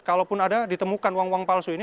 kalaupun ada ditemukan uang uang palsu ini